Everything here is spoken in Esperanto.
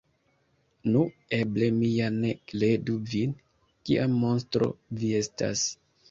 Nu, eble mi ja ne kredu vin! Kia monstro vi estas!